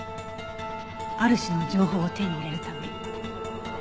ある種の情報を手に入れるため。